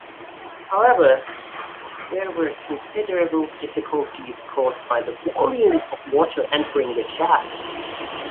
However, there were considerable difficulties caused by the volume of water entering the shafts.